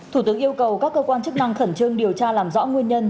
thủ tướng yêu cầu các cơ quan chức năng khẩn trương điều tra làm rõ nguyên nhân